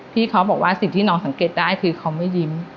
เขาบอกว่าสิ่งที่น้องสังเกตได้คือเขาไม่ยิ้ม